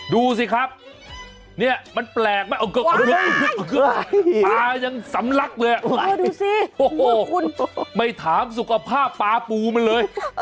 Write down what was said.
ดูสิครับเนี่ยมันแปลกไหมปลายังสำลักเลยไม่ถามสุขภาพปลาปูมันเลย